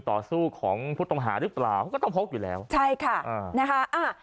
ต่อสู้ของพุทธตรงหาหรือเปล่าก็ต้องพบอยู่แล้วใช่ค่ะอ่า